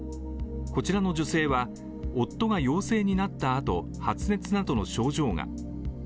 こちらの女性は、夫が陽性になったあと発熱などの症状が。